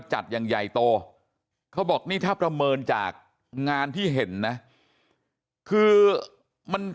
จัดอย่างใหญ่โตเขาบอกนี่ถ้าประเมินจากงานที่เห็นนะคือมัน